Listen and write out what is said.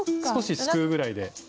少しすくうぐらいで。